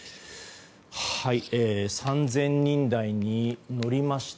３０００人台に乗りました。